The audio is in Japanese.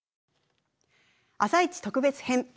「あさイチ」特別編。